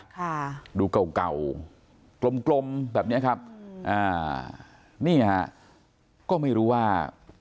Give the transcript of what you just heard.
ค่ะดูเก่าเก่ากลมกลมแบบเนี้ยครับอ่านี่ฮะก็ไม่รู้ว่า